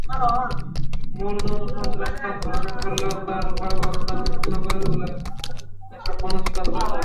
মূল যৌন-সন্ত্রাসটা ধর্ষক করলেও তার ভয়াবহতাকে পূর্ণ করে তোলে এসব মানসিক অত্যাচার।